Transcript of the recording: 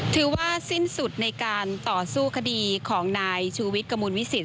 ถือว่าสิ้นสุดในการต่อสู้คดีของนายชูวิทย์กระมวลวิสิต